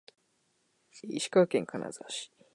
石川県金沢市